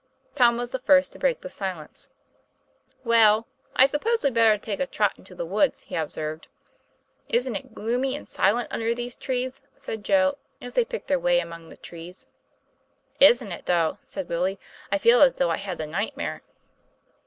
Tom was the first to break the silence. 'Well, I suppose we'd better take a trot into the woods," he observed. 'Isn't it gloomy and silent under these trees?" said Joe, as they picked their way among the trees. " Isn't it, though !" said Willie. " I feel as though I had the nightmare."